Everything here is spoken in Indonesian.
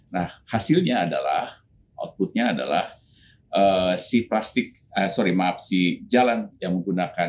nah hasilnya adalah outputnya adalah si plastik sorry maaf si jalan yang menggunakan